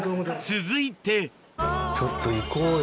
続いてちょっといこうよ